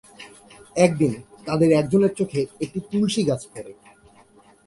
একদিন তাদের একজনের চোখে একটি তুলসী গাছ পড়ে।